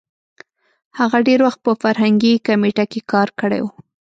هغه ډېر وخت په فرهنګي کمېټه کې کار کړی وو.